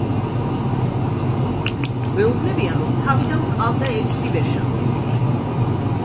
გვეუბნებიან, რომ თავიდან გვყავდა ექვსი ვეშაპი.